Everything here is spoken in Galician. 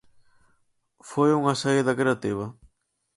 Foi unha saída creativa?